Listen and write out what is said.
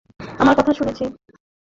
আমার কথা শুনেনি!